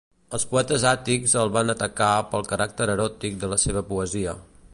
Els poetes àtics el van atacar pel caràcter eròtic de la seva poesia.